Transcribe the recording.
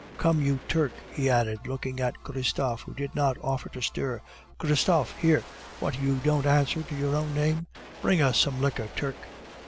Come, you Turk!" he added, looking at Christophe, who did not offer to stir. "Christophe! Here! What, you don't answer to your own name? Bring us some liquor, Turk!"